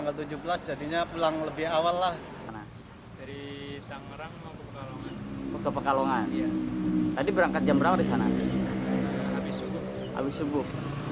kenapa terpilih berangkatnya subuh subuh